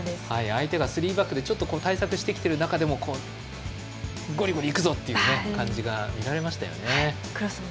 相手がスリーバックで対策してきている中でもゴリゴリいくぞっていう感じが見られましたよね。